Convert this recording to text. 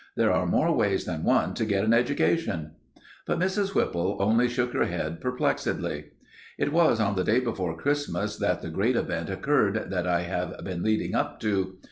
There are more ways than one to get an education." But Mrs. Whipple only shook her head perplexedly. It was on the day before Christmas that the great event occurred that I have been leading up to.